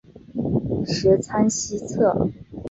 十仓西侧。